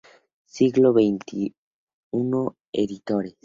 Siglo Veintiuno editores.